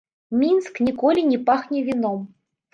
Мінск ніколі не пахне віном.